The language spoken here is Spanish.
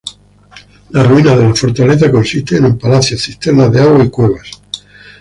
Las ruinas de la fortaleza consisten en palacios, cisternas de agua y cuevas.